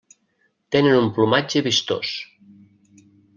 Tenen un plomatge vistós.